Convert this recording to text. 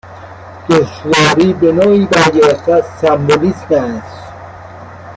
دشواری به نوعی برگرفته از سمبولیسم است